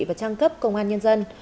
và trang cấp công an nhân dân